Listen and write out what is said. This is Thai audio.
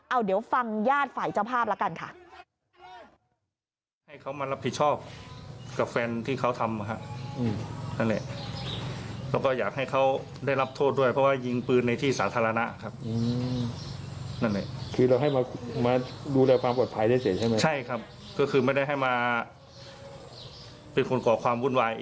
เอาเดี๋ยวฟังญาติฝ่ายเจ้าภาพละกันค่ะ